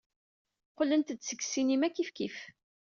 Qqlent-d seg ssinima kifkif.